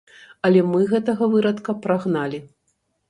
Але мы гэтага вырадка прагналі.